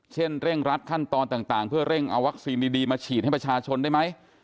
เช่นเร่งรัดขั้นตอนต่างเพื่อเร่งเอาวัคซีนดีมาฉีดให้ประชาชนได้ไหม